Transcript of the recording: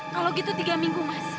kalau gitu tiga minggu mas